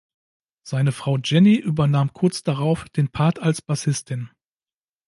Seine Frau Jenny übernahm kurz darauf den Part als Bassistin.